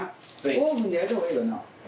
オーブンで焼いた方がいいよな。